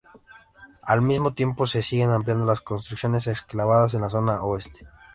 Al mismo tiempo se siguen ampliando las construcciones excavadas en la zona oeste.